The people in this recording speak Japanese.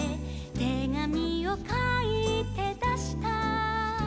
「てがみをかいてだした」